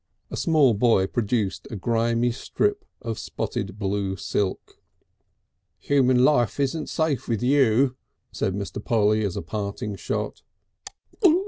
A small boy produced a grimy strip of spotted blue silk. "Human life isn't safe with you," said Mr. Polly as a parting shot.